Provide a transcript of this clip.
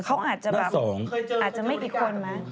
เขาอาจจะแบบอาจจะไม่กี่คนมั้ย